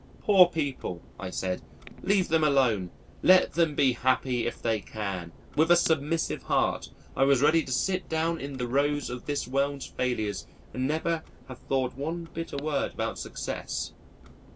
"Poor people," I said. "Leave them alone. Let them be happy if they can." With a submissive heart, I was ready to sit down in the rows of this world's failures and never have thought one bitter word about success.